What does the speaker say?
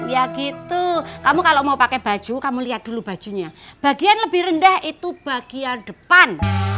ya gitu kamu kalau mau pakai baju kamu lihat dulu bajunya bagian lebih rendah itu bagian depan